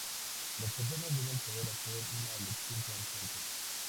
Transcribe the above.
Las personas deben poder hacer una elección consciente.